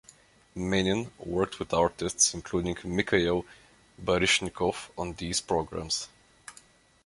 Menin worked with artists including Mikhail Baryshnikov on these programs.